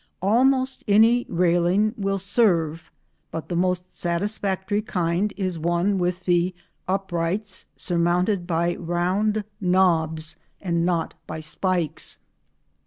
Almost any railing will serve, but the most satisfactory kind is one with the uprights surmounted by round knobs, and not by spikes.